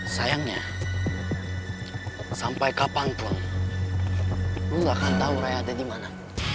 sayangnya sampai kapanpun lo gak akan tau raya ada di mana